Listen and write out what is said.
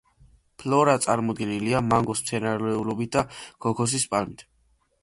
ფლორა წარმოდგენილია მანგროს მცენარეულობით და ქოქოსის პალმებით.